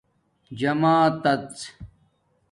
جمآتژ